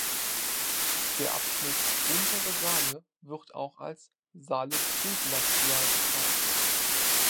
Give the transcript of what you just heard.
Der Abschnitt „Untere Saale“ wird auch als „Saale-Frühglazial“ bezeichnet.